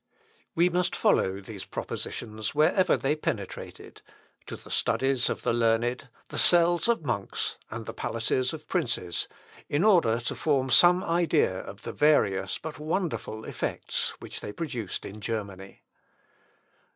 We must follow these propositions wherever they penetrated; to the studies of the learned, the cells of monks, and the palaces of princes, in order to form some idea of the various but wonderful effects which they produced in Germany.